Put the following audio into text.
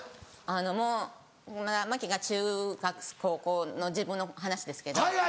あのもう麻貴が中学高校の時分の話ですけど。